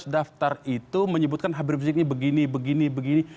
tujuh belas daftar itu menyebutkan habib riziknya begini begini begini